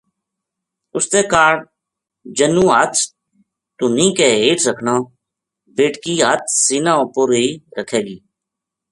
اس تے کاہڈ جنو ہتھ تہنی کے ہیٹھ رکھنا، بیٹکی ہتھ سینہ اہر رکھے گی۔